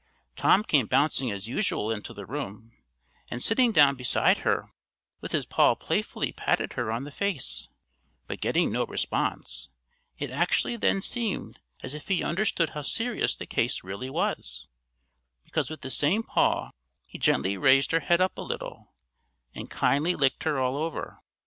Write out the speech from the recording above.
Tom came bouncing as usual into the room, and sitting down beside her, with his paw playfully patted her on the face; but getting no response, it actually then seemed as if he understood how serious the case really was, because with the same paw he gently raised her head up a little, and kindly licked her all over.